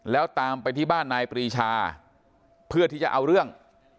แล้วตามไปที่บ้านนายปรีชาเพื่อที่จะเอาเรื่อง